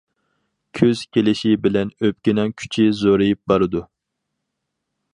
كۈز كېلىشى بىلەن ئۆپكىنىڭ كۈچى زورىيىپ بارىدۇ.